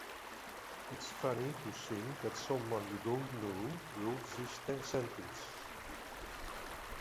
It's funny to think that someone you don't know wrote this sentence